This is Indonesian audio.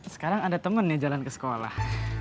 sekarang ada temen yang jalan ke sekolah